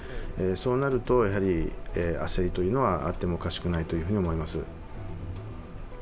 そうなると焦りというのはあってもおかしくないと思います。